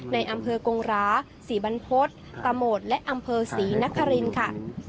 ในอำเภอกงราศรีบรรพฤษตะโหมดและอำเภอศรีนครินค่ะ